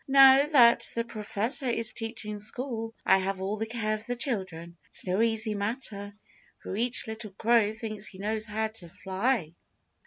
"Now that the Professor is teaching school, I have all the care of the children. It's no easy matter, for each little crow thinks he knows how to fly."